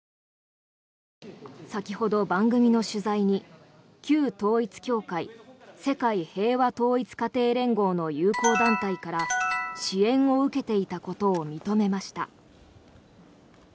先ほど番組の取材に、旧統一教会世界平和統一家庭連合の友好団体から支援を受けていたことを認めました。